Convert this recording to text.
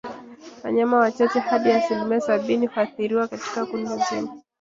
Wanyama wachache hadi asilimia sabini huathiriwa katika kundi zima